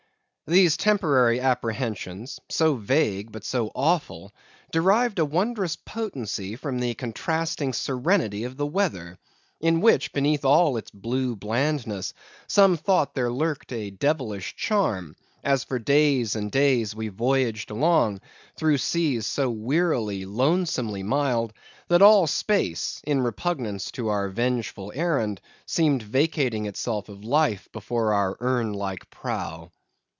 These temporary apprehensions, so vague but so awful, derived a wondrous potency from the contrasting serenity of the weather, in which, beneath all its blue blandness, some thought there lurked a devilish charm, as for days and days we voyaged along, through seas so wearily, lonesomely mild, that all space, in repugnance to our vengeful errand, seemed vacating itself of life before our urn like prow.